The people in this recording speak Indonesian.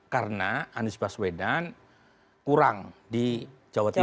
karena anies baswedan kurang di jawa timur